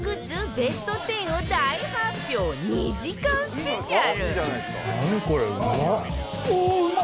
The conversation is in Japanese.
ベスト１０を大発表２時間スペシャル